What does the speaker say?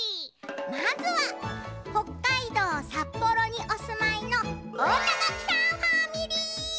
まずは北海道札幌におすまいのおおたがきさんファミリー！